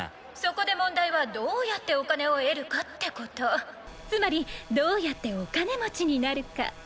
そこで問題はどうやってお金を得るかってことつまりどうやってお金持ちになるか